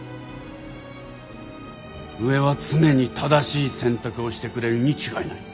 上は常に正しい選択をしてくれるに違いない。